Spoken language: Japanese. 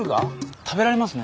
食べられますね。